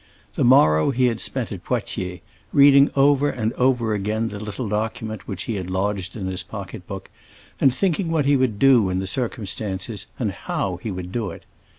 The morrow he had spent at Poitiers, reading over and over again the little document which he had lodged in his pocket book, and thinking what he would do in the circumstances and how he would do it.